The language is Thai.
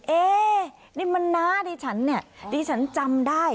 เอ๊นี่มันน้าดิฉันเนี่ยดิฉันจำได้